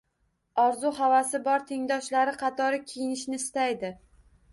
Orzu-havasi bor, tengdoshlari qatori kiyinishni istaydi